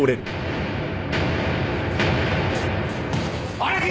荒木！